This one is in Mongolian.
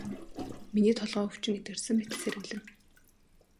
Миний толгойн өвчин эдгэрсэн мэт сэргэлэн.